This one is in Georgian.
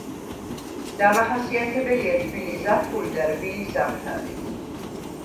დამახასიათებელია თბილი ზაფხული და რბილი ზამთარი.